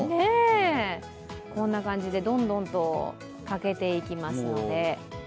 こんな感じでどんどんと欠けていきますので。